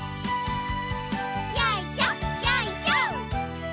よいしょよいしょ。